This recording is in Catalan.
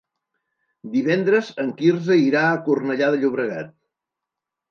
Divendres en Quirze irà a Cornellà de Llobregat.